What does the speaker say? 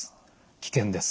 危険です。